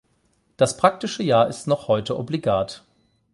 Das Praktische Jahr ist noch heute obligat.